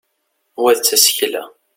wa d tasekla